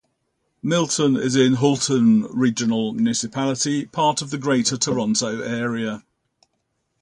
Milton is in Halton Regional Municipality, part of the Greater Toronto Area.